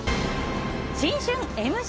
新春ＭＣ